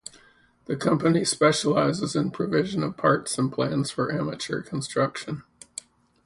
The company specializes in provision of parts and plans for amateur construction.